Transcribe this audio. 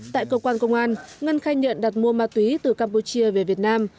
tại cơ quan công an ngân khai nhận đặt mua ma túy từ campuchia về việt nam